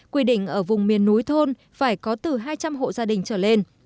quy định ở vùng miền núi thôn phải có từ hai trăm linh hộ gia đình trở lên